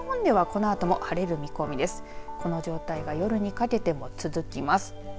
この状態が夜にかけても続きます。